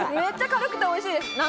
めっちゃ軽くておいしいです！